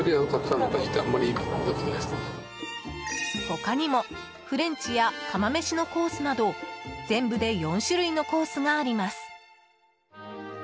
他にもフレンチや釜飯のコースなど全部で４種類のコースがあります。